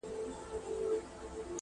آسمانه واخله ککرۍ درغلې!!